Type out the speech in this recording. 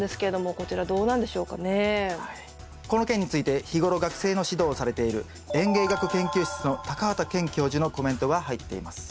この件について日頃学生の指導をされている園芸学研究室の畑健教授のコメントが入っています。